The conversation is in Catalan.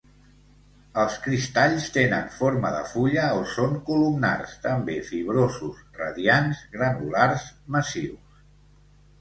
Els cristalls tenen forma de fulla o són columnars; també fibrosos radiants; granulars, massius.